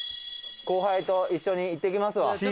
後輩と一緒に行ってきますわ。